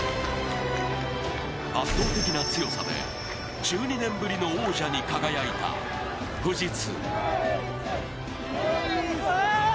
圧倒的な強さで１２年ぶりの王者に輝いた富士通。